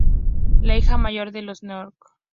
La hija mayor de los North.